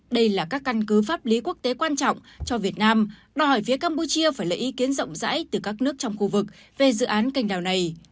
đây là các căn cứ pháp lý quốc tế quan trọng cho việt nam đòi hỏi phía campuchia phải lấy ý kiến rộng rãi từ các nước trong khu vực về dự án cành đào này